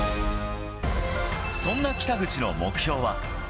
そんな北口の目標は。